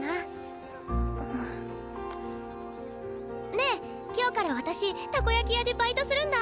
ねえ今日から私たこ焼き屋でバイトするんだ。